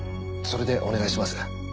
それでお願いします。